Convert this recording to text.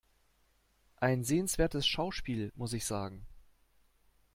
Ein sehenswertes Schauspiel, muss ich sagen.